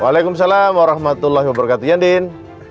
waalaikumsalam warahmatullahi wabarakatuh yandin